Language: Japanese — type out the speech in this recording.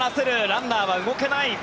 ランナーは動けない。